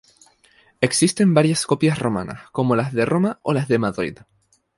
Existen varias copias romanas, como las de Roma o las de Madrid.